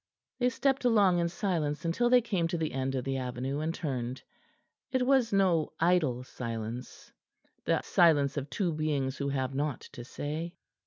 They stepped along in silence until they came to the end of the avenue, and turned. It was no idle silence: the silence of two beings who have naught to say.